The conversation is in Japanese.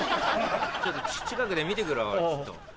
ちょっと近くで見てくるわ俺ちょっと。